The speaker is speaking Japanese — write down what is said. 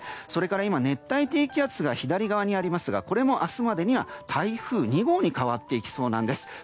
それから今、熱帯低気圧が左側にありますがこれも明日までには台風２号に変わっていきそうなんです。